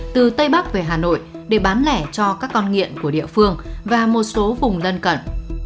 từ tây bắc về hà nội để bán lẻ cho các con nghiện của địa phương và một số vùng lân cận